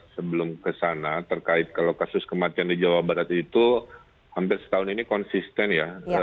sebelum kesana terkait kalau kasus kematian di jawa barat itu hampir setahun ini konsisten ya